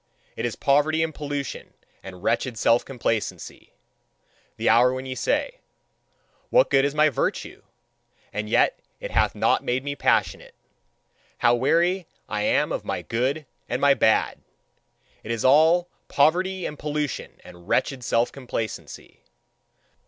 It is poverty and pollution and wretched self complacency!" The hour when ye say: "What good is my virtue! As yet it hath not made me passionate. How weary I am of my good and my bad! It is all poverty and pollution and wretched self complacency!"